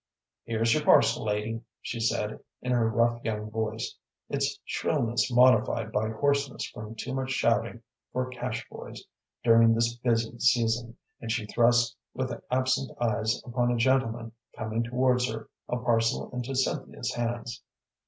"Here's your parcel, lady," she said, in her rough young voice, its shrillness modified by hoarseness from too much shouting for cash boys during this busy season, and she thrust, with her absent eyes upon a gentleman coming towards her, a parcel into Cynthia's hands.